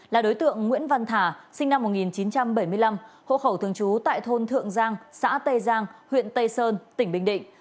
là đối tượng nguyễn văn thả sinh năm một nghìn chín trăm bảy mươi năm hộ khẩu thường trú tại thôn thượng giang xã tây giang huyện tây sơn tỉnh bình định